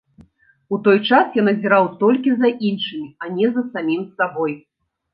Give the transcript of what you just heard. У той час я назіраў толькі за іншымі, а не за самім сабой.